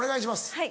はい。